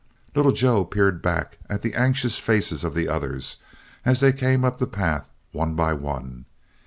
Little Joe peered back at the anxious faces of the others, as they came up the path one by one.